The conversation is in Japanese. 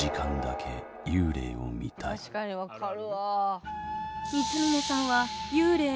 確かに分かるわあ。